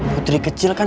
putri kecil kan